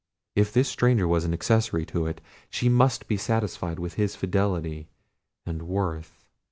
If this stranger was accessory to it, she must be satisfied with his fidelity and worth.